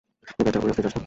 এ বেটা, ওই রাস্তায় যাস না।